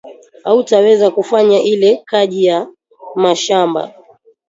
Autaweza kufanya ile kaji ya mashamba